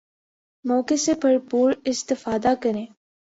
موقع سے بھرپور استفادہ کریں